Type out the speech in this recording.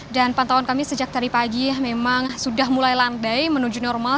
dan pantauan kami sejak tadi pagi memang sudah mulai landai menuju normal